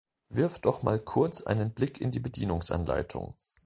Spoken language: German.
Wirf doch mal kurz einen Blick in die Bedienungsanleitung.